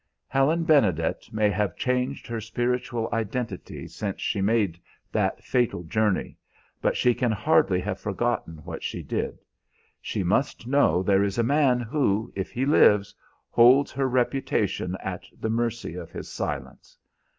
"Helen Benedet may have changed her spiritual identity since she made that fatal journey, but she can hardly have forgotten what she did. She must know there is a man who, if he lives, holds her reputation at the mercy of his silence.